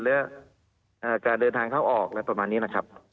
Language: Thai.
และการเดินทางเขาออกประมาณนี้นะครับ